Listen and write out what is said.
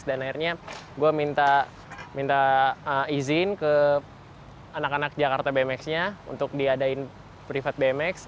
dan akhirnya gue minta izin ke anak anak jakarta bmx nya untuk diadain privat bmx